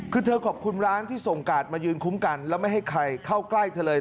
คือเธอขอบคุณร้านที่ส่งกาดมายืนคุ้มกันแล้วไม่ให้ใครเข้าใกล้เธอเลย